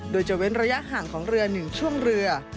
โดยจะเว้นระยะห่างของเรือ๑ช่วงเรือ